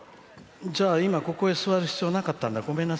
今、ここへ座る必要なかったんだ。